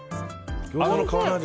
ギョーザの皮の味？